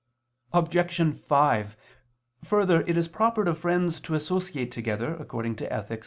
Obj. 5: Further, it is proper to friends to associate together, according to _Ethic.